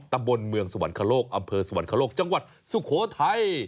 ตำบลเมืองสวรรคโลกอำเภอสวรรคโลกจังหวัดสุโขทัย